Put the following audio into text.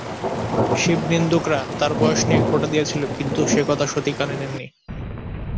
শিবনিন্দুকরা তাঁর বয়স নিয়ে খোঁটা দিয়েছিল, কিন্তু সে কথা সতী কানে নেন নি।